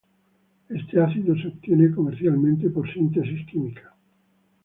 Este ácido se obtiene comercialmente por síntesis química.